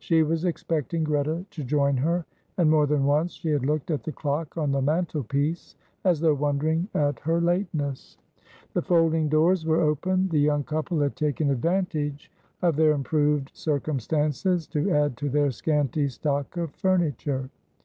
She was expecting Greta to join her, and more than once she had looked at the clock on the mantelpiece as though wondering at her lateness. The folding doors were open; the young couple had taken advantage of their improved circumstances to add to their scanty stock of furniture.